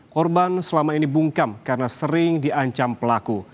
korban selama ini bungkam karena sering diancam pelaku